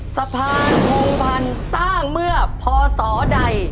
สะพานพงพันธุ์สร้างเมื่อพศใด